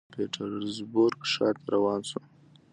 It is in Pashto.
هغه بېرته د پیټرزبورګ ښار ته روان شو